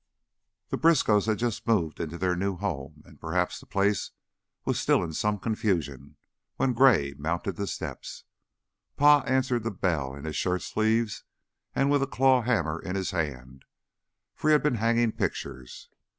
The Briskows had just moved into their new home, and the place was still in some confusion when Gray mounted the steps. Pa answered the bell in his shirt sleeves and with a claw hammer in his hand, for he had been hanging pictures.